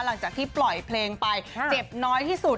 หลังจากที่ปล่อยเพลงไปเจ็บน้อยที่สุด